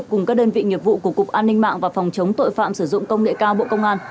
cùng các đơn vị nghiệp vụ của cục an ninh mạng và phòng chống tội phạm sử dụng công nghệ cao bộ công an